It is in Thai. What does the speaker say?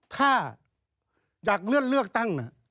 ถ้าอยากเลื่อนเลือกตั้ง